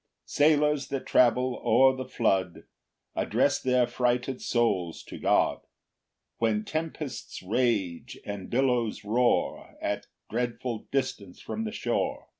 3 Sailors, that travel o'er the flood, Address their frighted souls to God; When tempests rage and billows roar At dreadful distance from the shore.